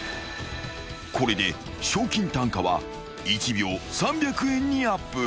［これで賞金単価は１秒３００円にアップ］